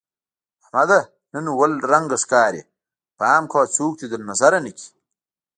احمده! نن اووه رنگه ښکارې. پام کوه څوک دې له نظره نه کړي.